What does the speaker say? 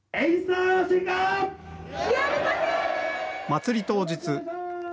祭り当日。